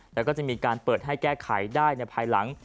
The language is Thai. แล้วก็จะมีการเปิดให้แก้ไขได้ในภายหลัง